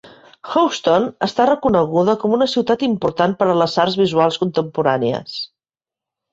Houston està reconeguda com a una ciutat important per a les arts visuals contemporànies.